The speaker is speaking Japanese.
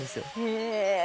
へえ。